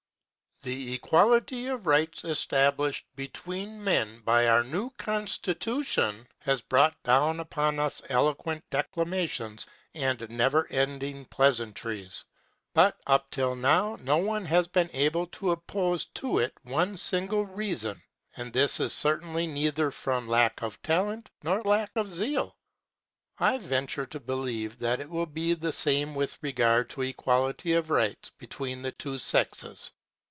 The equality of rights established between men by our new constitution has brought down upon us eloquent declamations and never ending pleasantries; but up till now no one has been able to oppose to it one single reason, and this is certainly neither from lack of talent nor lack of zeal. I venture to believe that it will be the same with regard to equality of rights between the two sexes.